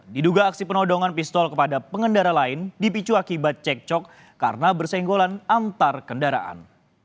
diduga aksi penodongan pistol kepada pengendara lain dipicu akibat cekcok karena bersenggolan antar kendaraan